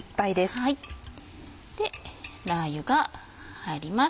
ラー油が入ります。